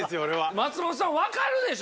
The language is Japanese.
松本さん分かるでしょ？